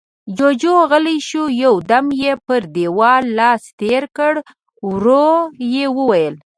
جُوجُو غلی شو، يو دم يې پر دېوال لاس تېر کړ، ورو يې وويل: